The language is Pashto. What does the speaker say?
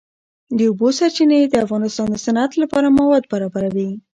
د اوبو سرچینې د افغانستان د صنعت لپاره مواد برابروي.